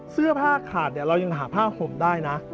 เสื้อผ้าขาดเนี่ยเรายังหาผ้าผมได้นะ